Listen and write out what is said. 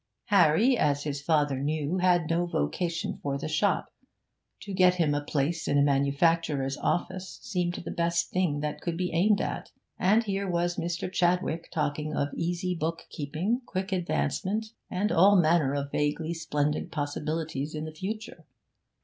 Harry, as his father knew, had no vocation for the shop; to get him a place in a manufacturer's office seemed the best thing that could be aimed at, and here was Mr. Chadwick talking of easy book keeping, quick advancement, and all manner of vaguely splendid possibilities in the future.